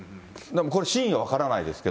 でもこれ真意は分からないですけ